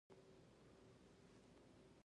د اور وژنې نشتون سرمایه سوځوي.